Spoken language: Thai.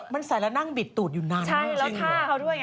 มันใส่แล้วนั่งบิดตูดอยู่น้ำอ่ะจริงหรือเปล่าใช่แล้วท่าเขาด้วยอ่ะท่าเขาด้วย